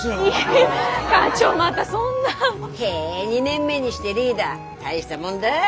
へえ２年目にしてリーダー大したもんだぁ。